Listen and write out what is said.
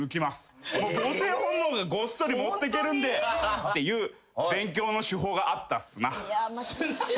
母性本能がごっそり持ってけるんで。っていう勉強の手法があったっすな。